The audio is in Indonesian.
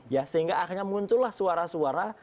ya sehingga akhirnya muncullah suara suara